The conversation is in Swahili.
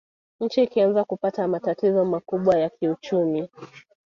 Nchi ikaanza kupata matatizo makubwa ya kiuchumi